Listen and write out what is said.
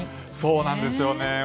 そうなんですよね。